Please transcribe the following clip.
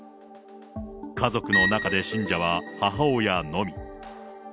家族の中で信者は母親のみ。